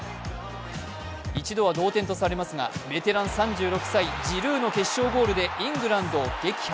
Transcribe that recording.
一度は同点とされますがベテラン３６歳ジルーの決勝ゴールでイングランドを撃破。